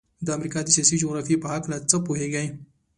د امریکا د سیاسي جغرافیې په هلکه څه پوهیږئ؟